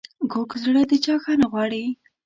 کوږ زړه د چا ښه نه غواړي